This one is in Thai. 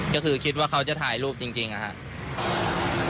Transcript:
ก็คือคิดว่าเขาจะถ่ายรูปจริงนะครับ